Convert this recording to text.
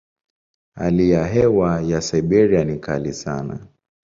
Hali ya hewa ya Siberia ni kali sana.